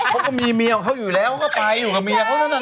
เขาก็มีเมียของเขาอยู่แล้วก็ไปอยู่กับเมียเขานั่นน่ะ